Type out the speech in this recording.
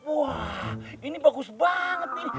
wah ini bagus banget nih